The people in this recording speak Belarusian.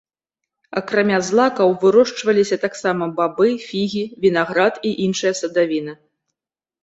Акрамя злакаў вырошчваліся таксама бабы, фігі, вінаград і іншая садавіна.